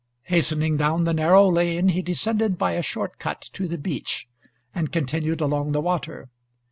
Hastening down the narrow lane, he descended by a short cut to the beach, and continued along the water.